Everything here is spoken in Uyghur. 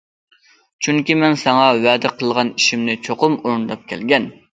چۈنكى مەن ساڭا ۋەدە قىلغان ئىشىمنى چوقۇم ئورۇنداپ كەلگەن.